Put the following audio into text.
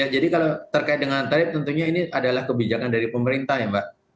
ya jadi kalau terkait dengan tarif tentunya ini adalah kebijakan dari pemerintah ya mbak